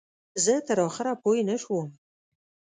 زه تر آخره پوی نه شوم.